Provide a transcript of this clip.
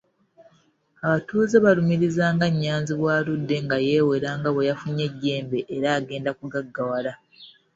Abatuuze balumiriza nga Nyanzi bw'aludde nga yeewera nga bwe yafunye ejjembe era agenda kugaggawala.